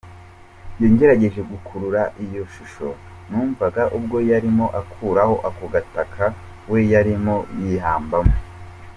Jye ngerageje gukurura iyo shusho numvaga ubwo yarimo akuraho ako gataka we yarimo yihambamo.